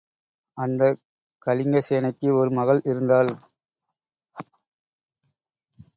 அந்தக் கலிங்கசேனைக்கு ஒரு மகள் இருந்தாள்.